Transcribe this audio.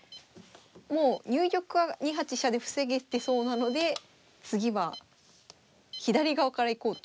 もう入玉は２八飛車で防げてそうなので次は左側から行こうと。